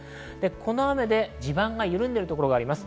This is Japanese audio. この雨で地盤が緩んでいるところがあります。